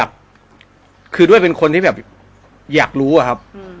พี่สุดยอดนี้ไม่ใช่ครับ